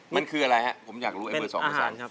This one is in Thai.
มันคืออะไรครับผมอยากรู้ไอเบอร์๒เบอร์ฉัน